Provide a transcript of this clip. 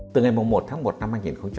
từ ngày một tháng một năm hai nghìn